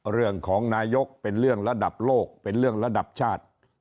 เรื่องของนายกเป็นเรื่องระดับโลกเป็นเรื่องระดับชาติ